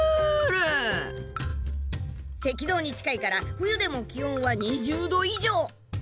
赤道に近いから冬でも気温は２０度以上！